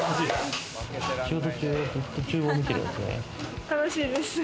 仕事中ずっと厨房見てるんですね。